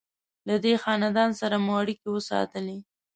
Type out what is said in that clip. له دې خاندان سره مو اړیکې وساتلې.